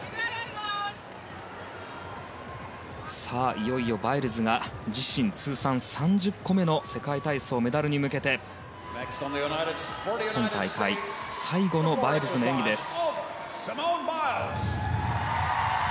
いよいよバイルズが自身通算３０個目の世界体操のメダルに向けて今大会最後の演技です。